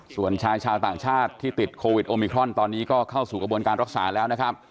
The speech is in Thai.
ส่วนชายชาวต่างชาติที่ติดโควิดโอมิครอนตอนนี้ก็เข้าสู่กระบวนการรักษาแล้วนะครับ